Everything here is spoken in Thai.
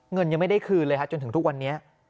ยังไม่ได้คืนเลยฮะจนถึงทุกวันนี้